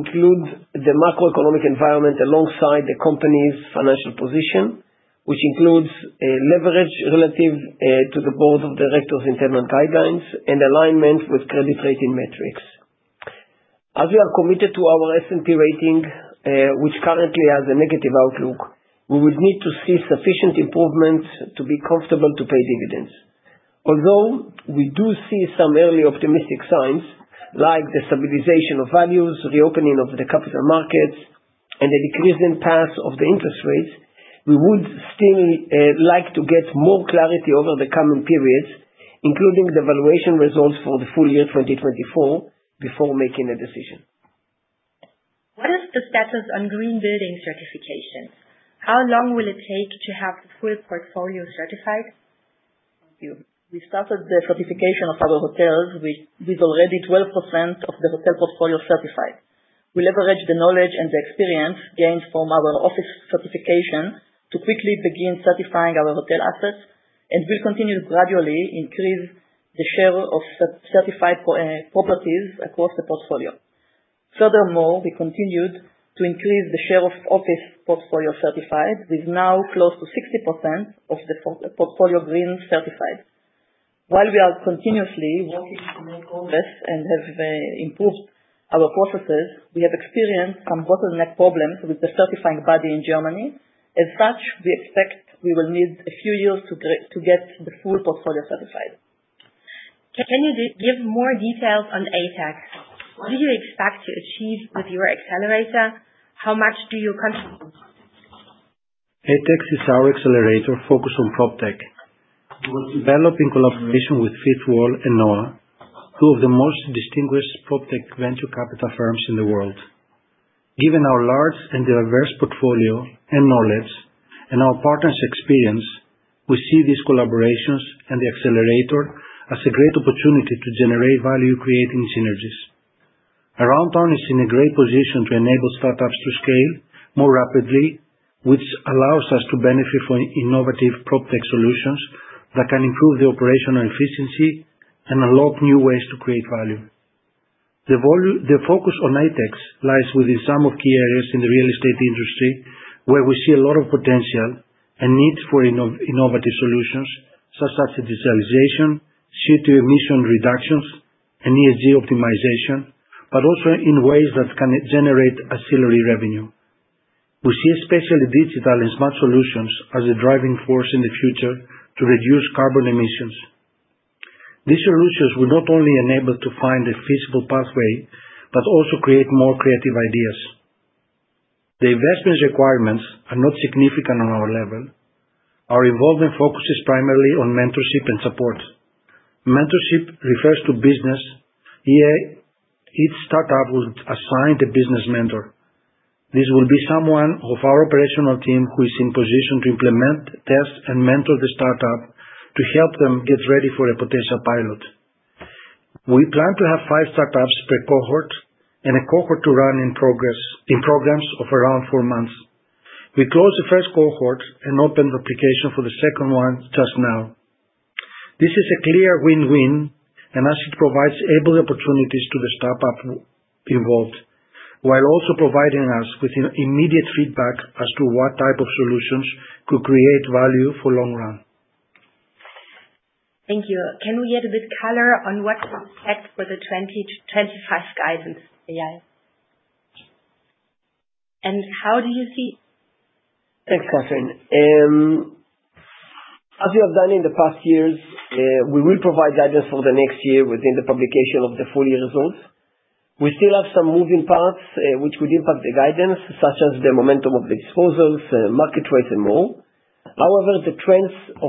include the macroeconomic environment, alongside the company's financial position, which includes leverage relative to the board of directors' internal guidelines and alignment with credit rating metrics. As we are committed to our S&P rating, which currently has a negative outlook, we would need to see sufficient improvements to be comfortable to pay dividends. Although we do see some early optimistic signs, like the stabilization of values, the opening of the capital markets, and the decreasing paths of the interest rates, we would still like to get more clarity over the coming periods, including the valuation results for the full year 2024, before making a decision. What is the status on green building certification? How long will it take to have the full portfolio certified? Thank you. We started the certification of our hotels, with already 12% of the hotel portfolio certified. We leverage the knowledge and the experience gained from our office certification, to quickly begin certifying our hotel assets, and will continue to gradually increase the share of certified properties across the portfolio. Furthermore, we continued to increase the share of office portfolio certified, with now close to 60% of the portfolio green certified. While we are continuously working to make progress and have improved our processes, we have experienced some bottleneck problems with the certifying body in Germany. As such, we expect we will need a few years to get the full portfolio certified. Can you give more details on Atex? What do you expect to achieve with your accelerator? How much do you contribute? Atex is our accelerator focused on proptech. Developed in collaboration with Fifth Wall and Noa, two of the most distinguished proptech venture capital firms in the world. Given our large and diverse portfolio and knowledge, and our partners' experience, we see these collaborations and the accelerator as a great opportunity to generate value-creating synergies. Aroundtown is in a great position to enable startups to scale more rapidly, which allows us to benefit from innovative proptech solutions, that can improve the operational efficiency and unlock new ways to create value. The focus on Atex lies within some of key areas in the real estate industry, where we see a lot of potential, a need for innovative solutions, such as digitalization, CO2 emission reductions, and ESG optimization, but also in ways that can generate ancillary revenue. We see, especially, digital and smart solutions as a driving force in the future to reduce carbon emissions. These solutions will not only enable to find a feasible pathway, but also create more creative ideas. The investment requirements are not significant on our level. Our involvement focuses primarily on mentorship and support. Mentorship refers to business, i.e., each startup will be assigned a business mentor. This will be someone of our operational team, who is in position to implement, test, and mentor the startup, to help them get ready for a potential pilot. We plan to have five startups per cohort, and a cohort to run in programs of around four months. We closed the first cohort, and opened application for the second one just now. This is a clear win-win, and as it provides ample opportunities to the startup involved, while also providing us with an immediate feedback as to what type of solutions could create value for long run. Thank you. Can we get a bit color on what to expect for the 2020-2025 guidance, Eyal? And how do you see? Thanks, Katrin. As we have done in the past years, we will provide guidance for the next year within the publication of the full year results. We still have some moving parts, which will impact the guidance, such as the momentum of the disposals, market rates, and more. However, the trends of 2025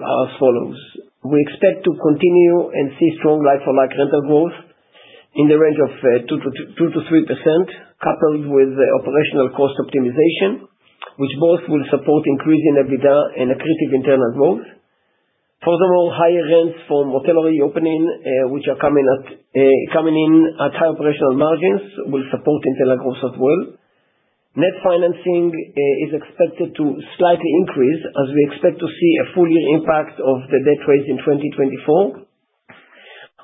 are as follows: We expect to continue and see strong like-for-like rental growth in the range of 2%-3%, coupled with operational cost optimization, which both will support increase in EBITDA and accretive internal growth. Furthermore, higher rents from hotel reopening, which are coming in at high operational margins, will support internal growth as well. Net financing is expected to slightly increase, as we expect to see a full year impact of the debt raise in 2024,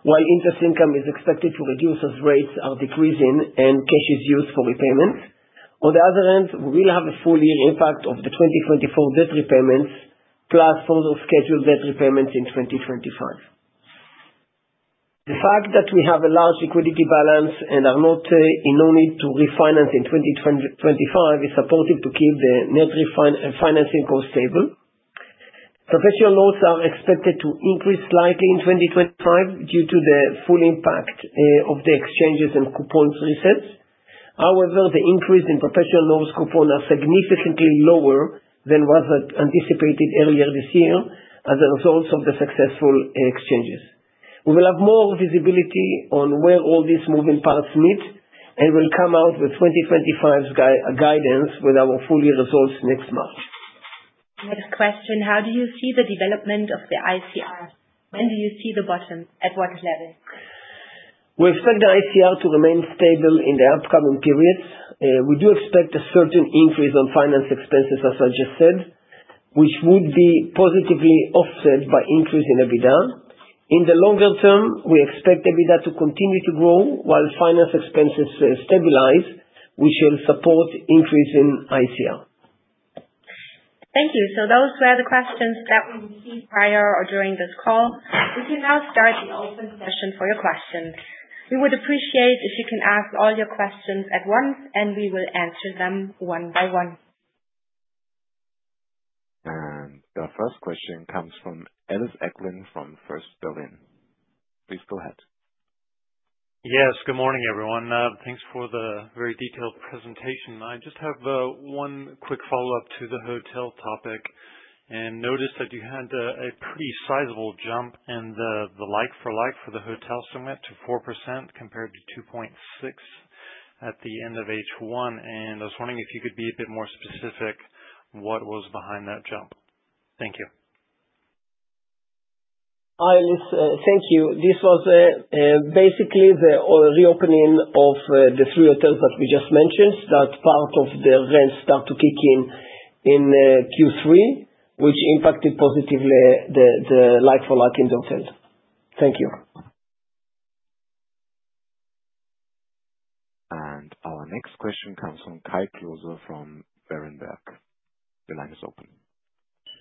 while interest income is expected to reduce, as rates are decreasing and cash is used for repayments. On the other hand, we will have a full year impact of the 2024 debt repayments, plus further scheduled debt repayments in 2025. The fact that we have a large liquidity balance and are not in no need to refinance in 2025 is supportive to keep the net financing cost stable. Perpetual loans are expected to increase slightly in 2025, due to the full impact of the exchanges and coupons resets. However, the increase in perpetual loans coupon are significantly lower than what had anticipated earlier this year, as a result of the successful exchanges. We will have more visibility on where all these moving parts meet, and we'll come out with 2025's guidance with our full year results next month. I had a question: how do you see the development of the ICR? When do you see the bottom, at what level? We expect the ICR to remain stable in the upcoming periods. We do expect a certain increase on finance expenses, as I just said, which would be positively offset by increase in EBITDA. In the longer term, we expect EBITDA to continue to grow, while finance expenses stabilize, which will support increase in ICR. Thank you. So those were the questions that we received prior or during this call. We can now start the open session for your questions. We would appreciate if you can ask all your questions at once, and we will answer them one by one. Our first question comes from Ellis Ackermann from First Berlin. Please go ahead. Yes, good morning, everyone. Thanks for the very detailed presentation. I just have one quick follow-up to the hotel topic, and noticed that you had a pretty sizable jump in the like-for-like for the hotel segment to 4%, compared to 2.6% at the end of H1, and I was wondering if you could be a bit more specific, what was behind that jump? Thank you. Hi, Ellis. Thank you. This was basically the reopening of the three hotels that we just mentioned. That part of the event start to kick in in Q3, which impacted positively the like-for-like in hotels. Thank you. Our next question comes from Kai Klose from Berenberg. The line is open.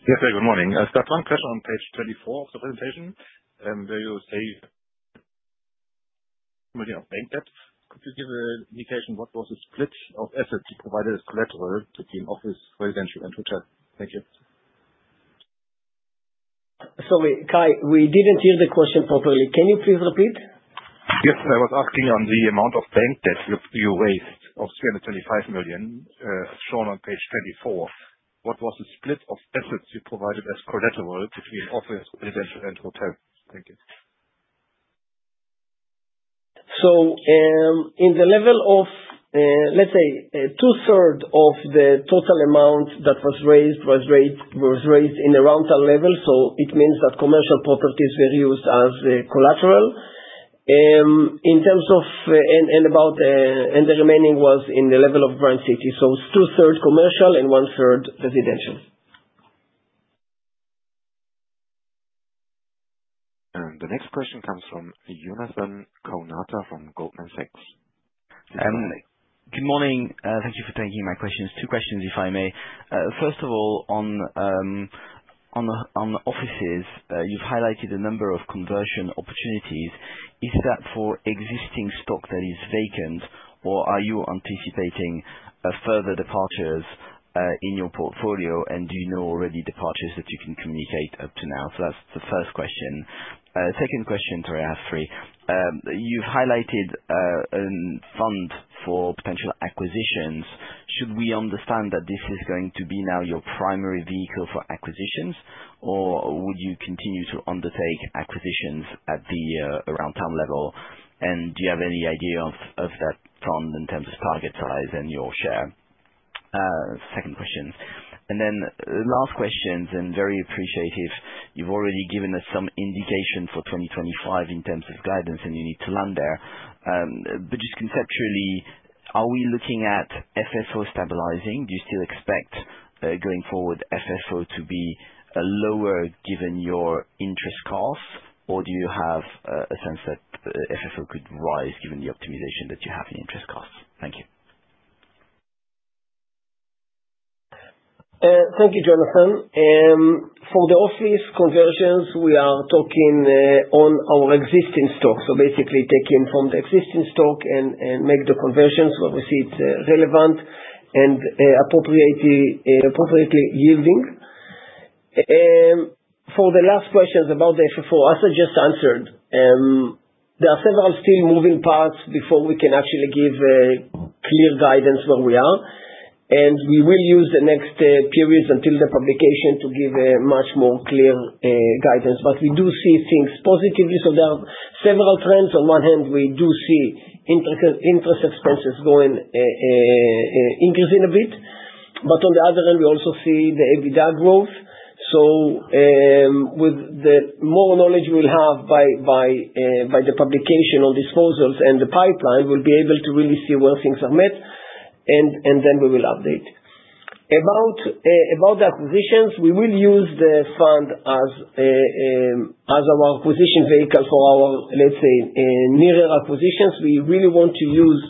Yes, good morning. I just have one question on page 24 of the presentation, where you say, you know, bank debt. Could you give a indication what was the split of assets you provided as collateral between office, residential, and hotel? Thank you. Sorry, Kai, we didn't hear the question properly. Can you please repeat? Yes, I was asking on the amount of bank debt that you, you raised, of 725 million, shown on page 24. What was the split of assets you provided as collateral between office, residential, and hotel? Thank you. So, in the level of, let's say, two-thirds of the total amount that was raised in the Aroundtown level, so it means that commercial properties were used as the collateral. In terms of... And about the remaining was in the level of Grand City, so two-thirds commercial and one-third residential. The next question comes from Jonathan Kownator from Goldman Sachs. Um- Good morning. Thank you for taking my questions. Two questions, if I may. First of all, on the offices, you've highlighted a number of conversion opportunities. Is that for existing stock that is vacant, or are you anticipating further departures in your portfolio? And do you know already departures that you can communicate up to now? So that's the first question. Second question to ask, you've highlighted fund for potential acquisitions. Should we understand that this is going to be now your primary vehicle for acquisitions, or would you continue to undertake acquisitions at the Aroundtown level? And do you have any idea of that fund in terms of target size and your share? Second question. And then the last question, and very appreciative, you've already given us some indication for 2025 in terms of guidance and you need to land there. But just conceptually, are we looking at FFO stabilizing? Do you still expect, going forward, FFO to be, lower, given your interest costs? Or do you have, a sense that, FFO could rise, given the optimization that you have in interest costs? Thank you. Thank you, Jonathan. For the office conversions, we are talking on our existing stock. So basically taking from the existing stock and make the conversions where we see it relevant, and appropriately yielding. For the last questions about the FFO, as I just answered, there are several still moving parts before we can actually give a clear guidance where we are. We will use the next periods until the publication to give a much more clear guidance. But we do see things positively, so there are several trends. On one hand, we do see interest expenses going increasing a bit, but on the other hand, we also see the EBITDA growth. So, with the more knowledge we'll have by the publication on disposals and the pipeline, we'll be able to really see where things are at, and then we will update. About the acquisitions, we will use the fund as our acquisition vehicle for our, let's say, nearer acquisitions. We really want to use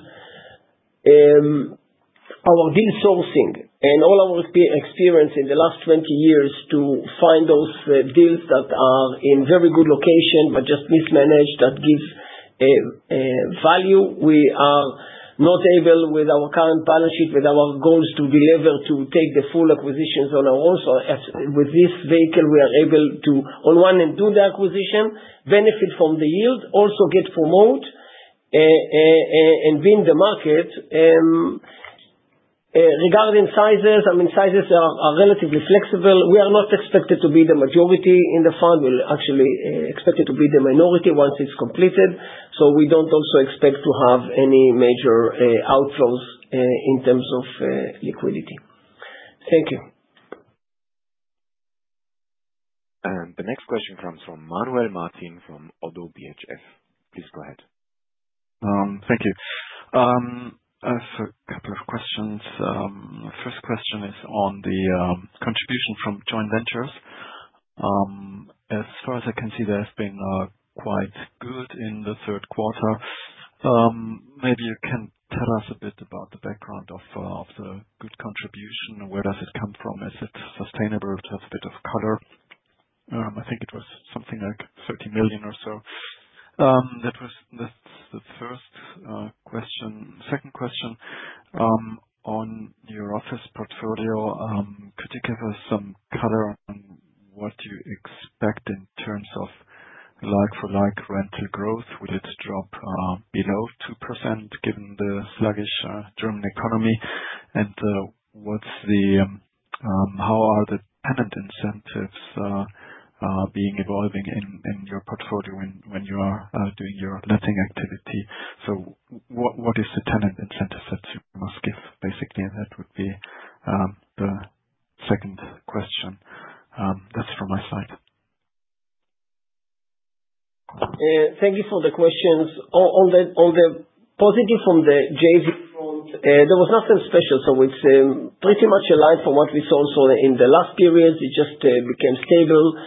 our deal sourcing and all our experience in the last 20 years to find those deals that are in very good location, but just mismanaged, that gives value. We are not able, with our current partnership, with our goals, to be able to take the full acquisitions on our own. So as with this vehicle, we are able to, on one hand, do the acquisition, benefit from the yield, also get promote, and be in the market. Regarding sizes, I mean, sizes are relatively flexible. We are not expected to be the majority in the fund; we'll actually expected to be the minority once it's completed. So we don't also expect to have any major outflows in terms of liquidity. Thank you. The next question comes from Manuel Martin, from Oddo BHF. Please go ahead. Thank you. I have a couple of questions. First question is on the contribution from joint ventures. As far as I can see, that's been quite good in the third quarter. Maybe you can tell us a bit about the background of the good contribution, and where does it come from? Is it sustainable to have a bit of color? I think it was something like 30 million or so. That was, that's the first question. Second question, on your office portfolio, could you give us some color on what you expect in terms of like-for-like rental growth? Will it drop below 2% given the sluggish German economy? And, what's the... How are the tenant incentives being evolving in your portfolio when you are doing your letting activity? So what is the tenant incentive set you must give? Basically, that would be the second question. That's from my side. Thank you for the questions. On the positive from the JV front, there was nothing special, so it's pretty much aligned from what we saw in the last periods, it just became stable.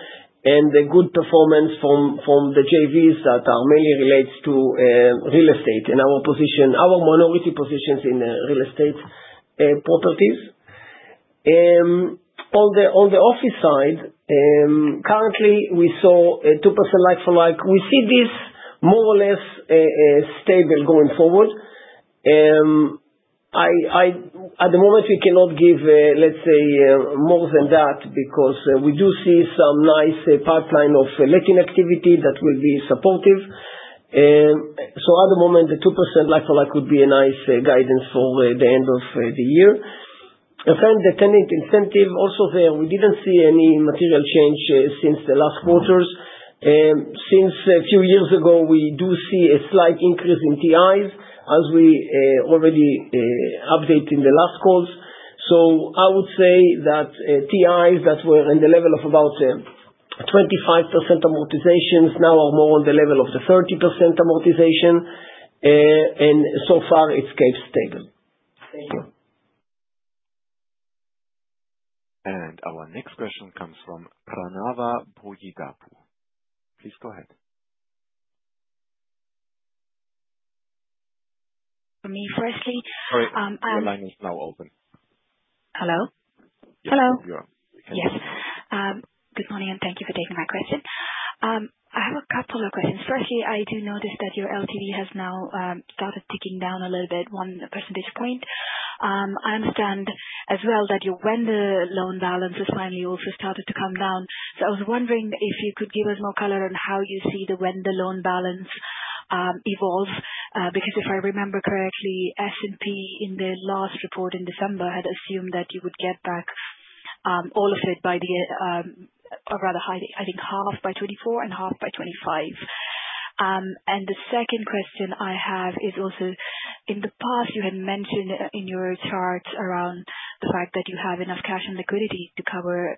And the good performance from the JVs that are mainly relates to real estate, and our position, our minority positions in real estate properties. On the office side, currently, we saw a 2% like-for-like. We see this more or less stable going forward. At the moment, we cannot give, let's say, more than that, because we do see some nice pipeline of letting activity that will be supportive. So at the moment, the 2% like-for-like would be a nice guidance for the end of the year. And then the tenant incentive, also there, we didn't see any material change since the last quarters. Since a few years ago, we do see a slight increase in TIs, as we already update in the last calls. So I would say that TIs that were in the level of about 25% amortizations, now are more on the level of the 30% amortization. And so far, it's kept stable. Thank you. Our next question comes from Pranava Pujidapu. Please go ahead. For me, firstly, Sorry, your line is now open. Hello? Hello. Yes, you are. Yes. Good morning, and thank you for taking my question. I have a couple of questions. Firstly, I do notice that your LTV has now started ticking down a little bit, one percentage point. I understand as well, that your vendor loan balance has finally also started to come down. So I was wondering if you could give us more color on how you see the vendor loan balance evolve. Because if I remember correctly, S&P in their last report in December, had assumed that you would get back all of it by the end, or rather, I think half by 2024, and half by 2025. The second question I have is also in the past, you had mentioned in your charts around the fact that you have enough cash and liquidity to cover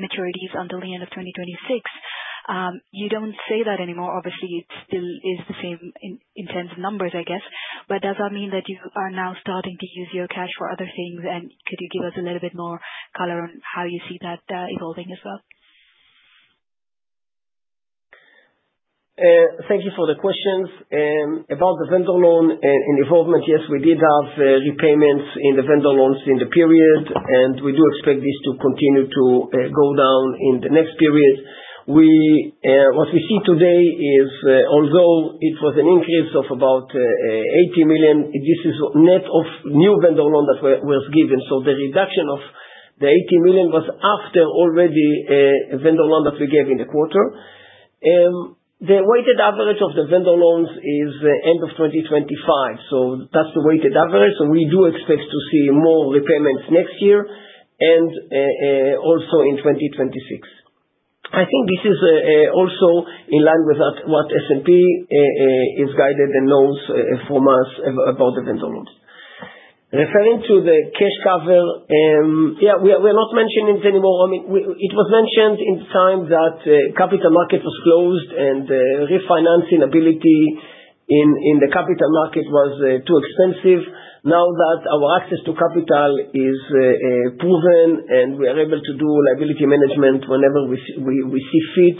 maturities until the end of 2026. You don't say that anymore. Obviously, it still is the same in terms of numbers, I guess, but does that mean that you are now starting to use your cash for other things? And could you give us a little bit more color on how you see that evolving as well? Thank you for the questions. About the vendor loan and involvement, yes, we did have repayments in the vendor loans in the period, and we do expect this to continue to go down in the next period. What we see today is, although it was an increase of about 80 million, this is net of new vendor loan that was given. So the reduction of the 80 million was after already vendor loan that we gave in the quarter. The weighted average of the vendor loans is end of 2025, so that's the weighted average, so we do expect to see more repayments next year, and also in 2026. I think this is also in line with what S&P is guided and knows from us about the vendor loans. Referring to the cash cover, yeah, we're not mentioning it anymore. I mean, it was mentioned in time that capital market was closed, and refinancing ability in the capital market was too expensive. Now that our access to capital is proven, and we are able to do liability management whenever we see fit,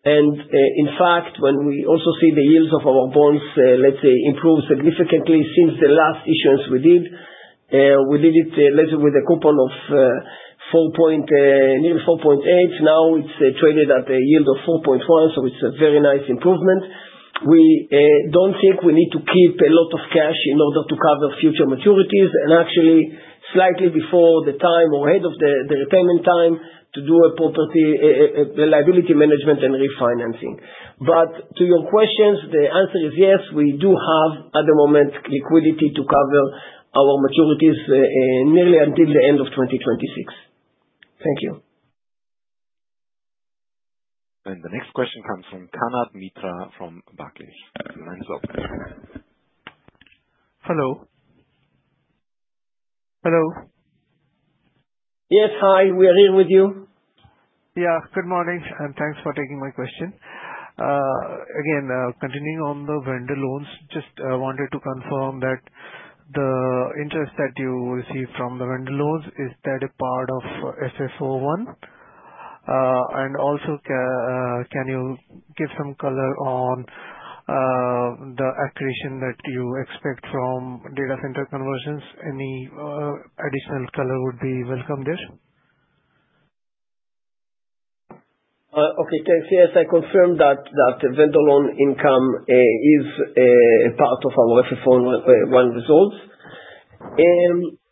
and in fact, when we also see the yields of our bonds, let's say, improve significantly since the last issuance we did, we did it later with a coupon of 4, nearly 4.8. Now, it's traded at a yield of 4.1, so it's a very nice improvement. We don't think we need to keep a lot of cash in order to cover future maturities, and actually slightly before the time or ahead of the repayment time, to do a property a liability management and refinancing. But to your questions, the answer is yes, we do have, at the moment, liquidity to cover our maturities nearly until the end of 2026. Thank you. The next question comes from Kanad Mitra, from Barclays. Hello? Hello? Yes, hi, we are here with you. Yeah, good morning, and thanks for taking my question. Again, continuing on the vendor loans, just wanted to confirm that the interest that you received from the vendor loans, is that a part of FFO 1? And also, can you give some color on the accretion that you expect from data center conversions? Any additional color would be welcomed there. Okay. Yes, yes, I confirm that vendor loan income is part of our FFO 1 results.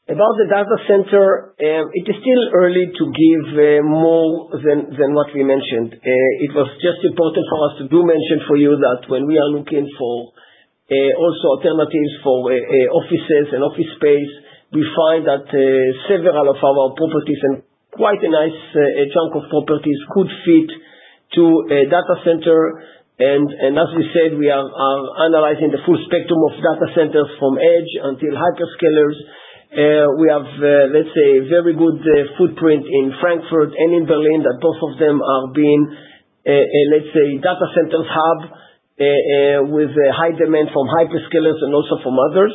About the data center, it is still early to give more than what we mentioned. It was just important for us to do mention for you, that when we are looking for also alternatives for offices and office space, we find that several of our properties and quite a nice chunk of properties could fit to a data center. And as we said, we are analyzing the full spectrum of data centers, from edge until hyperscalers. We have, let's say, a very good footprint in Frankfurt and in Berlin, that both of them are being a, let's say, data centers hub with a high demand from hyperscalers, and also from others.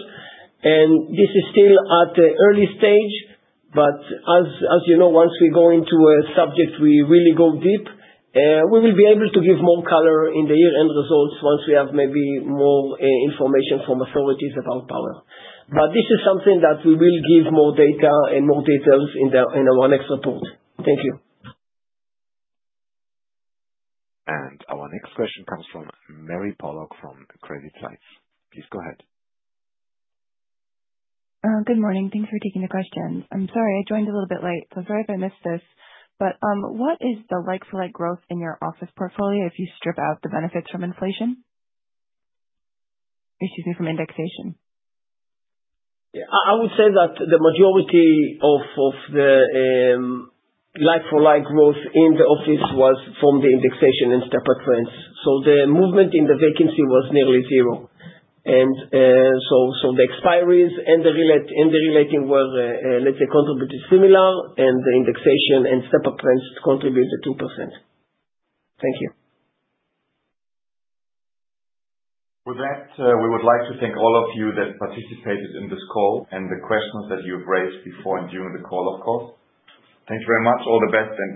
This is still at the early stage, but as you know, once we go into a subject, we really go deep. We will be able to give more color in the year-end results, once we have maybe more information from authorities about power. But this is something that we will give more data and more details in our next report. Thank you. Our next question comes from Mary Pollock, from Credit Suisse. Please go ahead. Good morning. Thanks for taking the question. I'm sorry, I joined a little bit late, so I'm sorry if I missed this, but, what is the like-for-like growth in your office portfolio, if you strip out the benefits from inflation? Excuse me, from indexation. Yeah. I would say that the majority of the like-for-like growth in the office was from the indexation and step-up rents. So the movement in the vacancy was nearly 0. So the expiries and the relettings were, let's say, contributed similarly, and the indexation and step-up rents contributed 2%. Thank you. With that, we would like to thank all of you that participated in this call, and the questions that you've raised before and during the call, of course. Thanks very much. All the best, and goodbye.